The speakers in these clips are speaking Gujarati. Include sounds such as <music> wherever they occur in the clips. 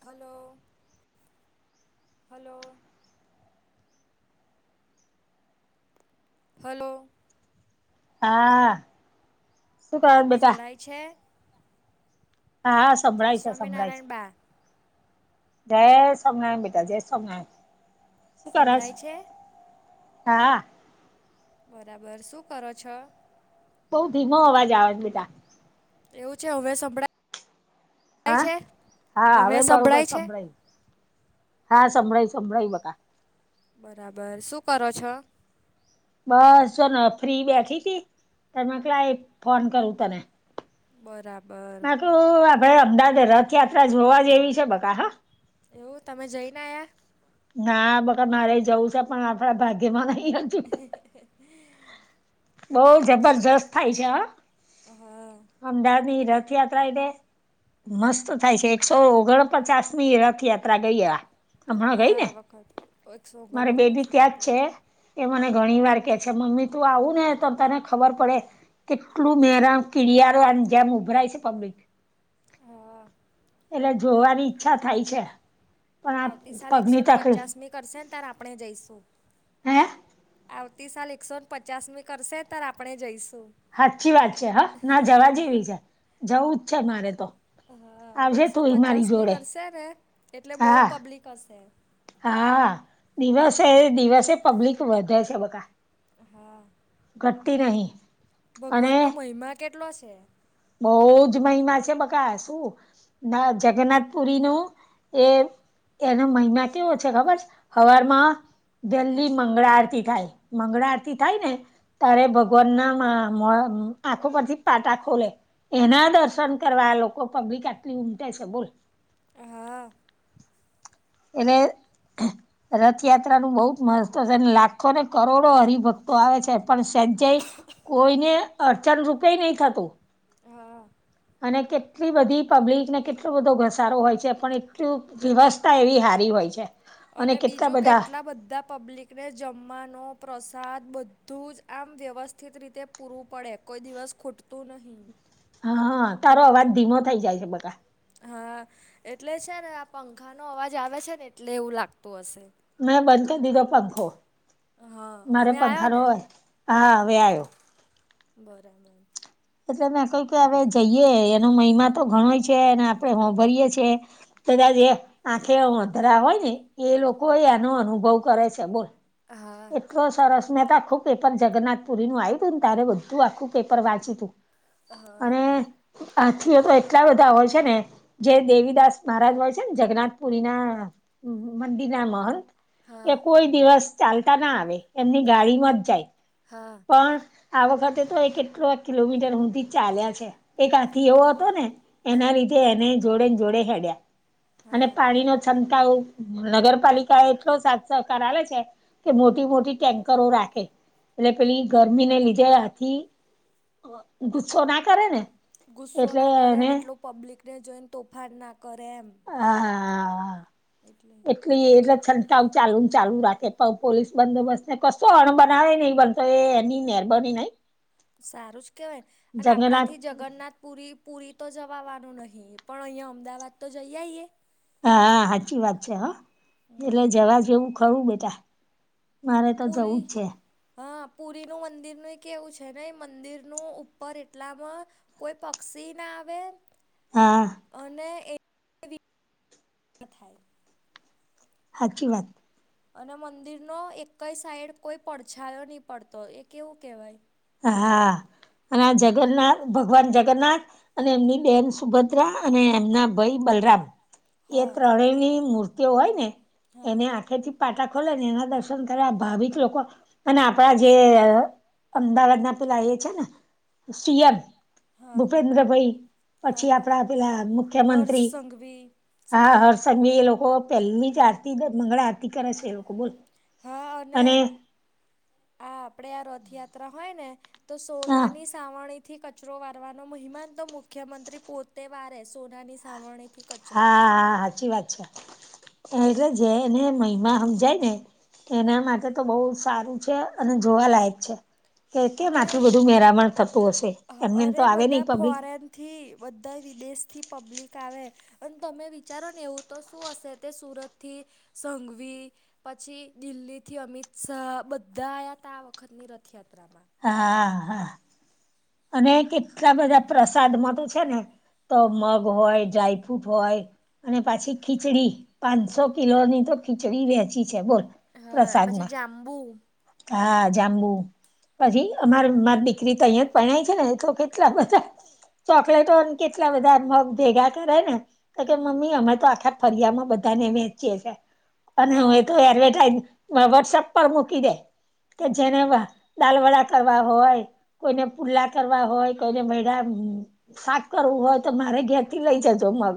હલો. હલો. હલો. હા. શું કરે બેટા સોડાય છે? હા જય સંભળાય છે સંભળાય છે. સ્વામિનારાયણ બા જય સ્વામીનાયણ બેટા જય સ્વામીનાયણ. શું કર છ? સંભળાય છે હા. બરાબર શું કરો છો? બઉ ધીમો અવાજ આવેજ બેટા. એવું છે અવે સંભળાય ભાય હા છે. હા હવે બરોબર સંભળાય છે. સંભળાયું હા સંભળાઈ સંભળાઈ બકા. બરાબર શું કરો છો? બસોને ફ્રી બેઠી તી તમે કલા ફોન કરું તને. બરાબર. તો આપડે અમદાવાદ રથયાત્રા જોવા જેવી છે બકા હા. એવું તમે જઈને આયા. ના બકા મારે જવું છે પણ આપડા ભાગ્યમાં નહી. બહુ સાચી જબરજસ્ત વાત. હા. અમદાવાદ ની રથયાત્રા એટલે મસ્ત થાય છે એકસો ઓગણપચાસ ની રથયાત્રા ગઈ એ આ હમણાં ગઈ. હા ને આ વખત એકસો મારે બેબી ઓગણપચાસમી ત્યાંજ હતી છે કે મને હા ઘણી વાર કે છે મમ્મી તું આવું ને તો તને ખબર પડે કેટલું મેરા કિળયારો આની જેમ ઉભરાય છે પબ્લિક. હા. એટલે જોવાની ઈચ્છા થાય છે. પણ ઓ આ આવતી સાલ એકસો પગની ને તકલીફ પચાસ મી કરશે ને ત્યારે આપણે જઈશું. હે? આવતી સાલ એકસો ને પચાસની કરશે તાર આપણે જઈશું. હાચી વાત છે હા ના જવા જેવી છે જવું જ છે મારે તો. હા અને આવજે એકસો તું મારી પચાસ મી જોડે કરશે ને એટલે બહુ હા પબ્લિક હશે. હા દિવસે દિવસે પબ્લિક વધે છે બકા. હા ઘટતી નહી ભગવાન નો મહિમા કેટલો છે. બહુજ મહિમા છે બકા શું ના જગન્નાથ પુરી નો એ એનો મહિમા તેવો છે ખબર છ હવારમાં દિલ્હી મંગળા આરતી થાય મંગળા આરતી થાય ને તારે ભગવાન ના માં મોડા આંખો પરથી પાટા ખોલે. એના દર્શન કરવા આ લોકો પબ્લિક આટલી ઉમટે છે બોલો હા. અને રથયાત્રાનું બહુ જ મહત્વ છે લાખોને કરોડો હરિભક્તો આવે છે પણ સંજય કોઈને અડચણ રૂપે નહીં થતું. હા. અને કેટલી બધી પબ્લિકને કેટલો બધો ઘસારો હોય છે પણ એટલું દિવસ એવી હારી હોય છે. અને બીજું કેટલા બધા પબ્લિકને જમવાનો પ્રસાદ બધું જ આમ વ્યવસ્થિત રીતે પૂરવું પડે. કોઈ દિવસ ખૂટતું નહી. હા હા તારો અવાજ ધીમો થઈ જાય છે. હા એટલે છે ને આ પંખાનો અવાજ આવે છે ને એટલે એવું લાગતું હશે. મેં બંધ કરી દીધો પંખો હા મારે અમે આવ્યો પંખા ના ને હોય. હા હવે આવ્યો. બરાબર. એટલે મેં કહુ કે હવે જઈએ એનો મહિમા તો ઘણોય છે અને આપણે સાભરીયએ છે. કદાચ જે આંખે અંધરા હોય ને એ લોકો એનો અનુભવ કરે છે. બોલ હા. તો સરસ મેં આખું પેપર જગન્નાથ પુરી નું આવ્યું હતું ને ત્યારે બધું આખું પેપર વાંચ્યું હતું. હા અને આથી એ તો એટલા બધા હોય છે ને જે દેવીદાસ મહારાજ હોય છે ને જગન્નાથ પુરી ના મંદિર ના મહંત હા એ કોઈ દિવસ ચાલતા ના આવે એમની હા ગાડીમાં જ જાય. હા. પણ આ વખતે તો એ કેટલો કિલોમીટર સુધી તો ચાલ્યા છે. એક હાથી એવો હતો ને એના હા. લીધે એને જોડે ને જોડે ચાલ્યા. અને હા પાણી નો છંટકાવ નગરપાલિકા એ એટલો સાથ સહકાર આપે છે કે મોટી મોટી ટેન્કરો રાખે. એટલે પેલી ગરમીને લીધે આથી ગુસ્સો ના કરે ને ગુસ્સો એટલે ના કરે એને અને એટલો પબ્લિકને જોઈને તોફાન ના કરે એમ. હા. એટલે એટલે એ છંટકાવ ચાલુ ને ચાલુ રાખે પોલીસ બંદોબસ્ત ને કશો અણબનાવ નહીં બને તો એની મહેરબાની ને સારું જ કહેવાય અને જંગલાત આપણાથી જગન્નાથ પુરી પુરી તો જવાવાનું નહીં પણ અહીંયા અમદાવાદ તો જઈ શકીએ. હા સાચી વાત છે હા. એટલે હમ જવા જેવું ખરું બેટા. મારે તો જવું પૂરી જ છે હા પુરીનું મંદિરનું એવું છે ને મંદિરનું ઉપર એટલામાં કોઈ પક્ષી ના આવે. હા. અને <inaudible> સાચી વાત. અને મંદિરનો એક પણ સાઈડ કોઈ પડછાયો નહી પડતો એ કેવું કહેવાય. હા અને આ ભગવાન ભગવાન જગન્નાથ- અને એમની બેન સુભદ્રા અને એમના ભાઈ બલરામ એ હા ત્રણેની મૂર્તિ <unintelligible> હોય ને હા એને આખે થી પાટા ખોલેને એના દર્શન કરે આ ભાવિક લોકો અને આપણા જે અમદાવાદના પેલા એ છે ને સીએમ હા ભુપેનદ્રભઈ હા પછી હા આપણા પેલા હર્ષ મુખ્યમંત્રી સંઘવી હા સાહેબ હર્ષ હા સંધવી એ લોકો પહેલી જ આરતી મંગળા આરતી કરે છે એ લોકો બોલ. હા અને આ આપણે આ રથયાત્રા હોય ને! તો હા સોનાની સાવરણીથી કચરો વારવાનો મહિમાન તો મુખ્યમંત્રી પોતે વારે સોનાની સાવરણીથી. કચરો હા હા સાચી વાત છે એટલે જેને મહિમા હમજાય ને હમ. એના માટે તો બહુ સારું છે અને જોવાલાયક છે. કે કેમ અને આટલું બધું મેરામણ થતું હશે એમનેમ તો આવે નહી પબ્લિક. થી બધા વિદેશથી પબ્લિક આવે. અને તમે વિચારો ને એવું તો શું હશે તે સુરત થી સંઘવી પછી દિલ્હીથી અમિત શાહ બધા આયા હતા આ વખતની રથયાત્રામાં. હા હા અને કેટલા બધા પ્રસાદમાં તો છે ને તો મગ હોય, ડ્રાયફ્રૂટ હોય અને પાછી ખીચડી. પાંચસો હમ કિલો ની તો ખીચડી વેચી છે બોલ. હા પછી પ્રસાદમાં જાંબુ. હા જાંબુ પછી અમારે મારી દીકરી તો અહીંયા. પરનાઈ છે ને, એ તો કેટલા બધા ચોકલેતો ન કેટલા બધા મગ ભેગા કરે ને. તોકે હમ મમ્મી, અમે તો આખા ફળિયામાં બધાને વેચીએ છીએ. અને હું એ હા તો એડવર્ટાઈઝ વોટ્સએપ પર મૂકી દે કે હમ જેને ડાલ-વડા કરવા હોય, કોઈને પુદલા કરવા હોય, કોઈને <unintelligible> શાક કરવું હોય તો મારા ઘરેથી લઈ જજો, મગ.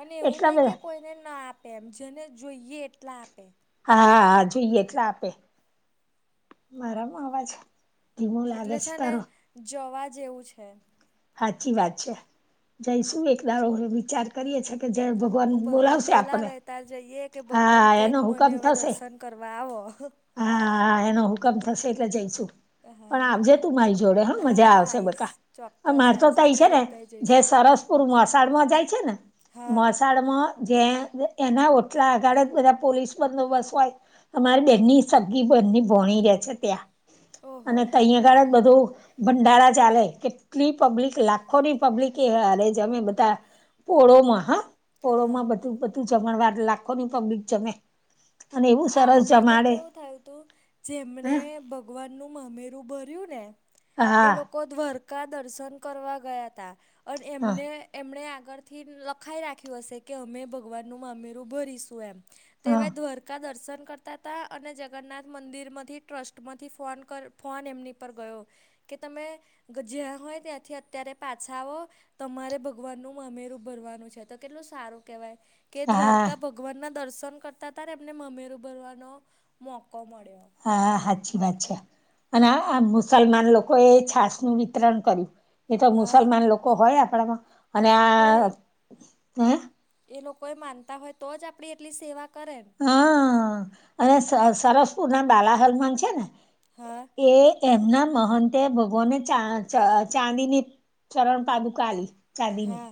અને એવું એટલા નહીં કે બધા કોઈને ન આપે, એમ જેને જોઈએ એટલા આપે. હા હા જોઈએ એટલા આપે. મારામાં અવાજ. ધીમો એટલે લાગે છે ને તારો જવા જેવું છે. સાચી વાત છે, જઈશું એક વાર તો વિચાર. કરીએ છીએ કે હમ જયારે ભગવાન ઓ બોલાવશે આપણને, બોલાવે તાર જઈએ કે ભગવાન હા, કે એનો મને હુકમ હવે થશે. દર્શન કરવા આવો હા હા, એનો હુકમ થશે એટલે જઈશું. હા પણ આવજે હા તું મારી જોડે હો મજા હા આવશે, આઈશ બકા. ચોક્કસ માર તો આઈશ તૈ છે આપણેે ને, બધા જે જઈશું સરસપુર મોસાળમાં જાય છે ને? હા મોસાળમાં જે એના ઓટલા આગળ જ બધા પોલીસ બંદોબસ્ત હોય. અમારી બેનની સગી બનની ભોણી રહે છે ત્યાં. ઓહો અને તહીં આગળ જ બધું ભંડારા ચાલે. કેટલી પબ્લિક, લાખોની પબ્લિક અરે જમે બધા પોળોમાં, હા. હા પોળોમાં બધું બધું જમણવાર, લાખોની પબ્લિક જમે. અને એવું આ સરસ વખતે જમાડે કેવું થયુંતું, હ જેમણે ભગવાનનું મામેરું ભર્યું ને! એ હા લોકો દ્વારકા દર્શન કરવા ગયા હતા અને હા એમને એમણે આગળથી લખાવી રાખ્યું હશે કે અમે ભગવાનનું મામેરું ભરીશું એમ. હા તેવા <unintelligible> કા દર્શન કરતા હતા અને જગન્નાથ મંદિરમાંથી ટ્રસ્ટમાંથી ફોન એમની પર ગયો. કે તમે જ્યાં હોવ ત્યાંથી અત્યારે પાછા આવો. તમારે ભગવાનનું મામેરું ભરવાનું છે, તો કેટલું સારું કહેવાય. કે હા દ્વારકા ભગવાનના દર્શન કરતાં મામેરું ભરવાનો મોકો મળ્યો. હા સાચી વાત છે. અને આ મુસલમાન લોકોએ છાશનું વિતરણ કર્યું. એ તો હા મુસલમાન લોકો હોય આપણામાં અને હમ તોય આ. એ લોકો હોય તો જ એટલી સેવા કરે ને. હા, અને સરસપુરના બાલા હનુમાન છે ને? હા. એમના મહંતે ભગવાનને ચ ચા ચાંદીની ચરણ પાદુકા આપી, ચાંદીની હા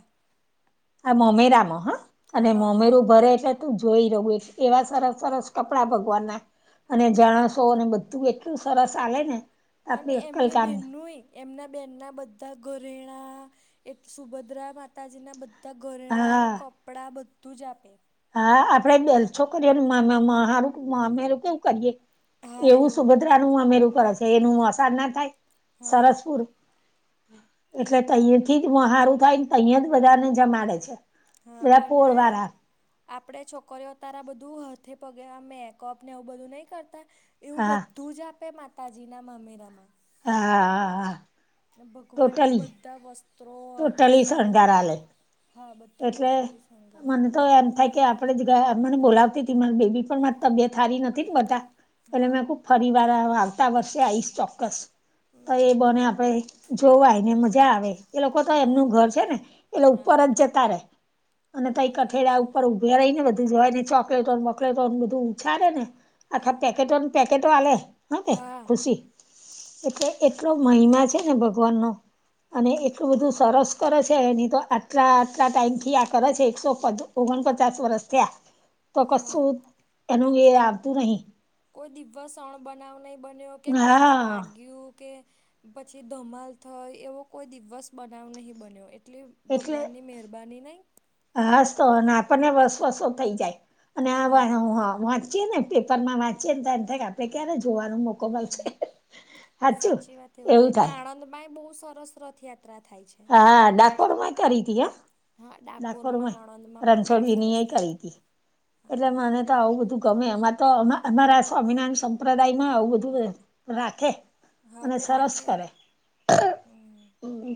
આ મામેરામાં, હા. અને હા હા મામેરું ભરે છે. તું જોઈ રહ્યો ને, એવા સરસ સરસ કપડાં ભગવાનના. અને જમણવાર અને બધું એટલું સરસ ચાલે ને. અને આપડી અક્કલ એમની કામ ના. બહેનનુંય. એમની બહેનના બધા ઘરેણાં, એ સુભદ્રા માતાજીના બધા તો ઘરેણાં, હા કપડાં, બધું જ આપે. હા, આપણે ખર્ચો કરીએ. મામા, સારું મામેરું કેવું કરીએ, એવું સુઘડ મામેરું કરે છે, એનું રાજ ન થાય, હા સરસપુર. એટલે ત્યાંથી જ સારું થાય ને, ત્યાં જ બધાને જમાડે છે. હા, બધા પોર અને. વાળા આપણેે છોકરીઓ તારા બધું હાથે પગે આ મેકઅપને એવું બધું નહી કરતા. એવું હા બધું જ આપે માતાજીના મામેરામાં હા ભગવાનનું ટોટલી બધા વસ્ત્રો ટોટલી આભૂષણો શણગાર આલે હા બધો એટલે ટોટલી સંગાર. મને તો એમ થાય કે આપણે જ ગયા મને બોલાવતી તી મારી બેબી પણ તબિયત હારી નથી ને બધા એટલે મે હા ખુબ ફરી વાર હોવ આવતા વર્ષે આઈશ ચોક્કસ. તો એ હમ બોને આપડે જોવાયને મજા આવે. એ લોકો તો એમનું હા ઘર છે ને એટલે હા ઉપર જ જતા રે અને તઈ ઉપરથી કઠેડા દેખાય ઉપર વેરાઈને બધું જોયને ચોકલેટો ને વોકલેટો બધું ઉછાળે ને આખા હા પેકેટો ને પેકેટો આ લે હ કે હા ખુશી એટલે એટલો મહિમા છે ને ભ ગવાન નો અને હમ એટલું બધું સરસ કરે છે એની તો આટલા આટલા ટાઈમથી આ કરે છે એકસો પ ઓગણપચાસ વરસ થીયા. તો હા કશું એનું એ આવતું નહી. કોઈ દિવસ અણબનાવ નહી બન્યો કે કોઈને હા વાગ્યું કે પછી ધમાલ થઈ એવો કોઈ દિવસ બનાવ નહીં બન્યો એટલે એટલે ભગવાનની મહેરબાની નહીં. હાસ તો આપણને વસ વસો થઈ જાય અને આ વહે હા હું વાંચીએ ને પેપરમાંં વાંચીએ ને એમ થાય કે આપણે ક્યારે જોવાનો મોકો મળશે હમ.. સાચું સાચી વાત એવું થાય આણંદ માય બહુ સરસ રથયાત્રા થાય છે. હા ડાકોર મા કરી તી હ હા ડાકોરમાં આણંદમાં પણ બહુ રણછોડીજીની સરસ એ થાય કરી હતી. એટલે હા મને તો આવું બધું ગમે એમાં તો અમારા સ્વામિનારાયણ સંપ્રદાય માં આવું બધું અ રાખે હા અને તે સરસ રાખે કરે. હમ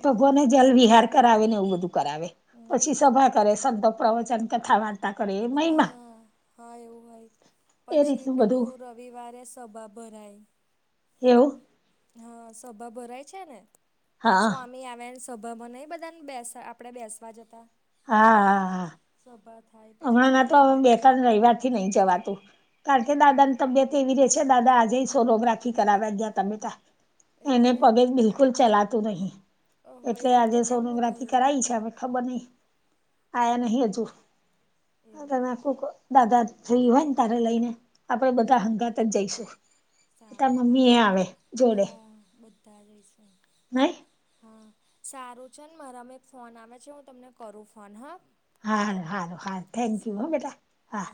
ભગોને જલ વિહાર કરાવે ને એવું બધું કરાવે હમ પછી સભા કરે સંતો પ્રવચન કથા વા તા કરે એ મહિમા હા હા એવું હોય એ પછી રીતનું બધું પેલું રવિવારે સભા ભરાય. એવુ. હા, સભા ભરાય છે ને હા સ્વામી આવે સભામાં નહીં બધાને બેસ આપણે બેસવા જતા. હા હા હા સભા થાય. પછી હમણાં ના બધું તો કે અમે બે ત્રણ રયવાર થી નહી જવાતું કારણ કે હમ દાદાની તબિયત તેવી રે છે, દાદા આજે ય સોનોગ્રાફી કરાવા ગયા તા બેટા એવું એને છે પગે બિલકુલ ચલાતું નહી ઓહો એટલે એવું તો આજે કેમનું સોનોગ્રાફી થયું કરાયી છે, હવે ખબર નય, આયા હમ નહી હમ હજુ. એવું તને આખું દાદા ફ્રી હોય ને ત્યારે લઈને આપડે બધા હંગાત જ જઈશું. હા તાર સારું મમ્મી સારું એ આવે જોડે હા બધા જઈશું. નઈ હા, સારું ચલ મારામાં એક ફોન આવે છે હું તમને કરું ફોન હ હા હારુ હારુ હારુ થેન્ક યુ હો બેટા હા